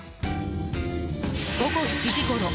午後７時ごろ。